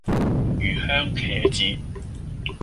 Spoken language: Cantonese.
魚香茄子